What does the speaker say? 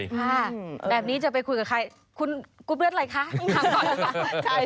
ค่ะแบบนี้จะไปคุยกับใครคุณกรุ๊ปเลือดอะไรคะข้างใน